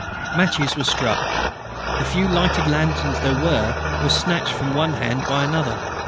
Matches were struck. The few lighted lanterns there were were snatched from one hand by another.